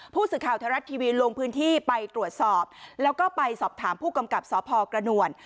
ผู้สื่อข่าวไทยรัฐทีวีลงพื้นที่ไปตรวจสอบแล้วก็ไปสอบถามผู้กำกับสพกระนวล